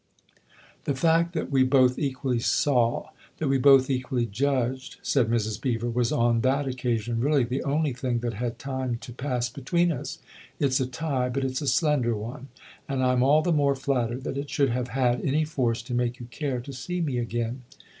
" The fact that we both equally saw, that we both equally judged," said Mrs. Beever, "was on that occasion really the only thing that had time to pass between us. It's a tie, but it's a slender one, and I'm all the more flattered that it should have had any force to make you care to see me again."